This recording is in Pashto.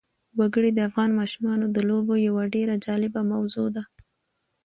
وګړي د افغان ماشومانو د لوبو یوه ډېره جالبه موضوع ده.